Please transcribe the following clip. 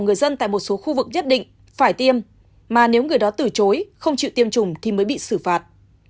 người dân tại một số khu vực nhất định phải tiêm mà nếu người đó từ chối không chịu tiêm chủng thì mới bị xử phạt